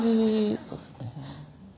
そうですね